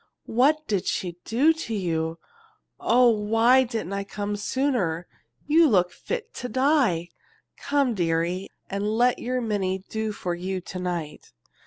"What did she do to you? Oh, why didn't I come sooner? You look fit to die. Come, dearie, and let your Minnie do for you to night."